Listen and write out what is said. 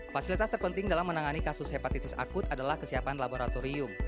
fasilitas terpenting dalam menangani kasus hepatitis akut adalah kesiapan laboratorium